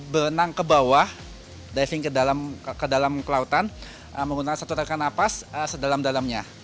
berenang ke bawah diving ke dalam kelautan menggunakan satu tarikan nafas sedalam dalamnya